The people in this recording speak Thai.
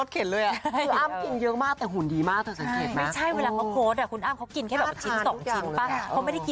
คืออ้ามมาก